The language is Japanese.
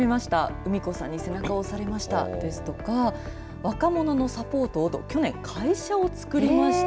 うみ子さんに背中を押されましたですとか若者のサポートをと去年、会社を作りました。